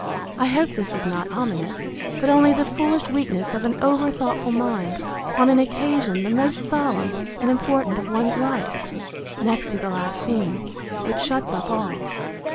—I hope this is not ominous; but only the foolish weakness of an over thoughtful mind, on an occasion the most solemn and important of one's life, next to the last scene, which shuts up all.